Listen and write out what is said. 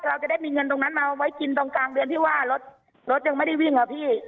เราจะได้มีเงินตรงนั้นมาไว้กินตรงกลางเดือนที่ว่ารถรถยังไม่ได้วิ่งอะพี่